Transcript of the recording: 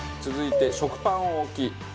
続いて食パンを置き。